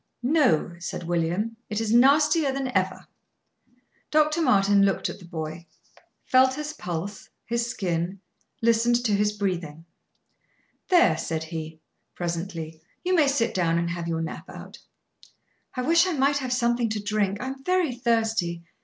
"No," said William; "it is nastier than ever." Dr. Martin looked at the boy; felt his pulse, his skin, listened to his breathing. "There," said he, presently, "you may sit down and have your nap out." "I wish I might have something to drink; I am very thirsty.